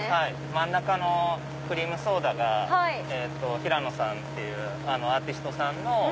真ん中のクリームソーダがひらのさんっていうアーティストさんの。